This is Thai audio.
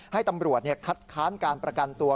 ให้ตำรวจคัดค้านการประกันตัว